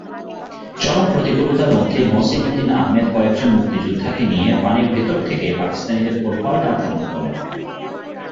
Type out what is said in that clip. চরম প্রতিকূলতার মধ্যে মহসীন উদ্দীন আহমেদ কয়েকজন মুক্তিযোদ্ধাকে নিয়ে পানির ভেতর থেকেই পাকিস্তানিদের ওপর পাল্টা আক্রমণ করেন।